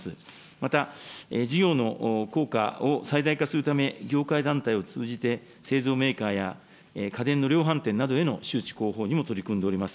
また、事業の効果を最大化するため、業界団体を通じて、製造メーカーや家電の量販店などへの周知、広報にも取り組んでおります。